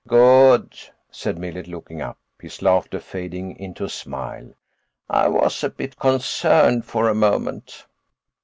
"Good," said Millet, looking up, his laughter fading into a smile. "I was a bit concerned for a moment."